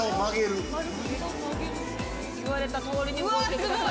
言われた通りに動いてください。